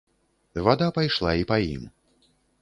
Вада пайшла і па ім.